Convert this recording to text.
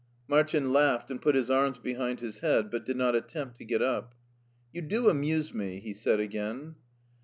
Martin laughed and put his arms behind his head, but did not attempt to get up. *' You do amuse me," he said again.